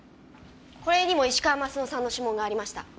これにも石川鱒乃さんの指紋がありました。